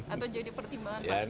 atau jadi pertimbangkan